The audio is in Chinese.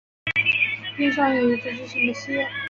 店上有一只巨型的蟹。